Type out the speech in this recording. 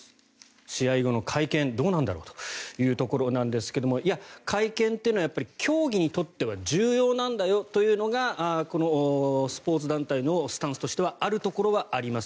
試合後の会見、どうなんだろうというところですがいや、会見というのは競技にとっては重要なんだよというのがスポーツ団体のスタンスとしてはあるところはあります。